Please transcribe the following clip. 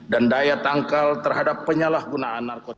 dan daya tangkal terhadap penyalahgunaan narkotika